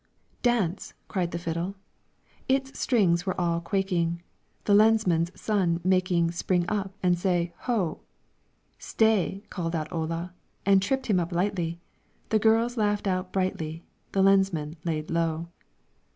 "Dance!" cried the fiddle; Its strings all were quaking, The lensmand's son making Spring up and say "Ho!" "Stay!" called out Ola, And tripped him up lightly; The girls laughed out brightly, The lensmand lay low.